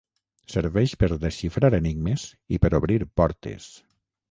Serveix per desxifrar enigmes i per obrir portes.